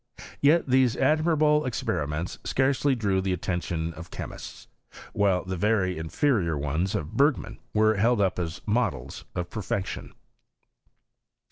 Yet these admirable experiments scarcely drew the at tention of chemists; while the very inferior ones of Bergman were held up as models of perfection.